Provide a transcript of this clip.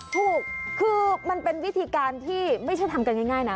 ถูกคือมันเป็นวิธีการที่ไม่ใช่ทำกันง่ายนะ